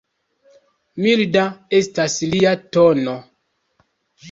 Milda estas lia tono.